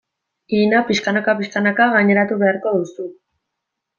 Irina pixkanaka-pixkanaka gaineratu beharko duzu.